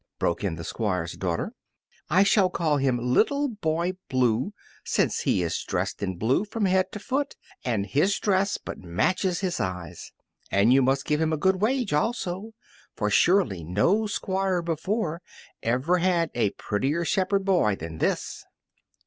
broke in the Squire's daughter; "I shall call him Little Boy Blue, since he is dressed in blue from head to foot, and his dress but matches his eyes. And you must give him a good wage, also, for surely no Squire before ever had a prettier shepherd boy than this."